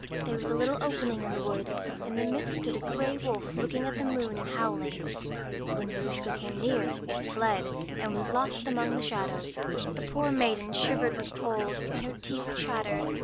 There was a little opening in the wood ; in the midst stood a grey wolf looking up at the moon and howling; but when Maruschka came near, it fled, and was lost among the shadows. The poor maiden shivered with cold, and her teeth chattered.